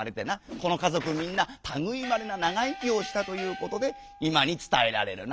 この家ぞくみんなたぐいまれな長生きをしたということで今につたえられるな」。